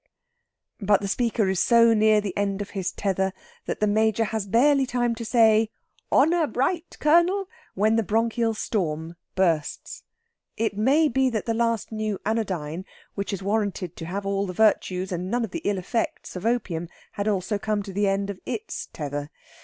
But the speaker is so near the end of his tether that the Major has barely time to say, "Honour bright, Colonel," when the bronchial storm bursts. It may be that the last new anodyne, which is warranted to have all the virtues and none of the ill effects of opium, had also come to the end of its tether.